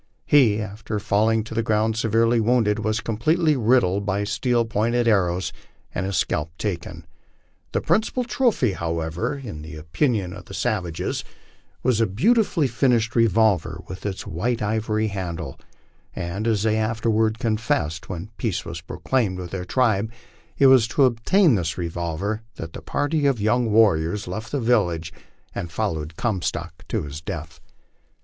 He, after falling to the ground severely wounded, was completely riddled by steel pointed arrows, and his scalp taken. The principal trophy, however, in the opinion of the savages, was the beautifully finished revolver with its white ivory handle, and, as they afterward confessed when peace was proclaimed with their tribe, it was to ob tain this revolver that the party of young warriors left the village and followed Comstock to his death.